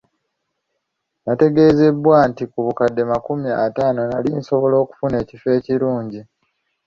Nategeezebwa nti ku bukadde amakumi ataano nali nsobola okufuna ekifo ekirungi.